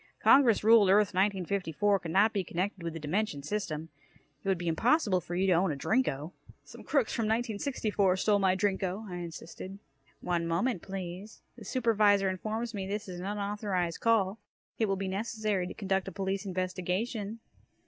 Congress ruled Earth 1954 could not be connected with the dimension system. It would be impossible for you to own a Drinko." "Some crooks from 1964 stole my Drinko!" I insisted. "One moment, please. The Supervisor informs me this is an unauthorized call. It will be necessary to conduct a police investigation."